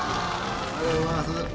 ありがとうございます。